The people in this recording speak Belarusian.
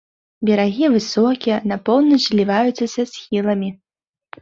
Берагі высокія, на поўнач зліваюцца са схіламі.